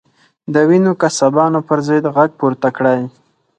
د وینو قصابانو پر ضد غږ پورته کړئ.